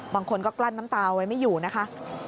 บางคนก็กลั้นน้ำตาเอาไว้ไม่อยู่นะคะ